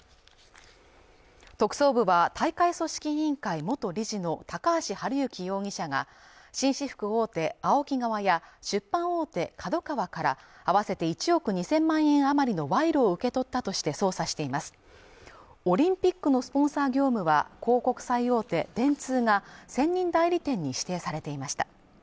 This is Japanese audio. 特捜部は大会組織委員会元理事の高橋治之容疑者が紳士服大手ＡＯＫＩ側や出版大手ＫＡＤＯＫＡＷＡから合わせて１億２０００万円余りの賄賂を受け取ったとして捜査していますオリンピックのスポンサー業務は広告最大手電通が専任代理店に指定されていました